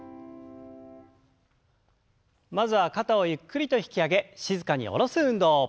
まずは肩をゆっくりと引き上げ静かに下ろす運動。